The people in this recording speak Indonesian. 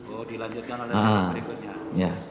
oh dilanjutkan oleh berikutnya